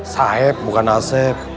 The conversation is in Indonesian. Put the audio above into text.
saeb bukan asep